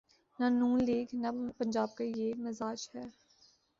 نہ ن لیگ‘ نہ پنجاب کا یہ مزاج ہے۔